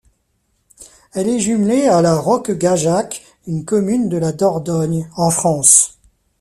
Elle est jumelée à La Roque-Gageac une commune de la Dordogne, en France.